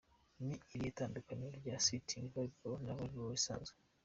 Ni irihe tandukaniro rya Sitting Volleyball na Volleyball isanzwe?.